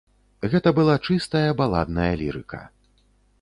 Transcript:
Гэта была чыстая баладная лірыка.